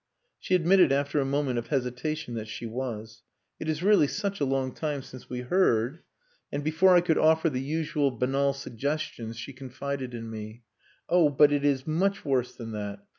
She admitted after a moment of hesitation that she was. "It is really such a long time since we heard...." And before I could offer the usual banal suggestions she confided in me. "Oh! But it is much worse than that.